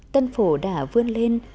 tân phổ đã vươn lên